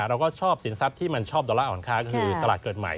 เราก็ชอบสินทรัพย์ที่มันชอบดอลลาร์อ่อนค้าก็คือตลาดเกิดใหม่